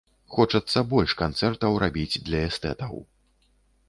Хочацца больш канцэртаў рабіць для эстэтаў.